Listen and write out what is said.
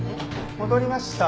戻りました。